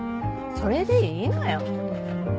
それでいいのよ。